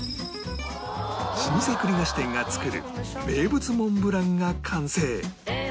老舗栗菓子店が作る名物モンブランが完成